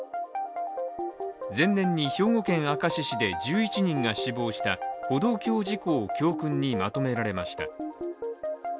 前年に兵庫県明石市で１１人が死亡した歩道橋事故を教訓にまとめられました。